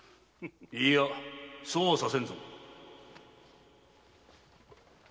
・いいやそうはさせぬぞ。